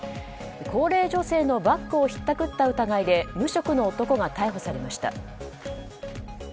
高齢女性のバッグをひったくった疑いで無職の男が逮捕されました。